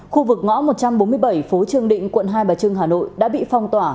khu vực ngõ một trăm bốn mươi bảy phố trương định quận hai bà trưng hà nội đã bị phong tỏa